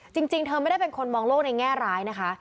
จริงเธอไม่ได้เป็นคนมองโลกในแง่ร้ายนะคะ